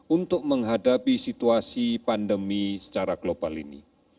untuk menghadapi situasi pandemi secara global ini